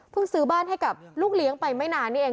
ซื้อบ้านให้กับลูกเลี้ยงไปไม่นานนี่เอง